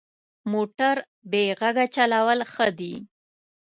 موټر بې غږه چلول ښه دي.